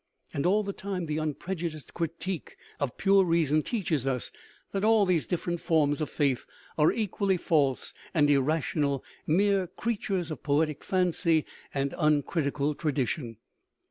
And all the time the unprejudiced " critique of pure reason" teaches us that all these different forms of faith are equally false and irrational, mere creatures of poetic fancy and uncritical tradition.